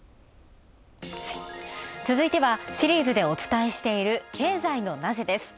続いては、シリーズでお伝えしている「ケーザイのナゼ？」です。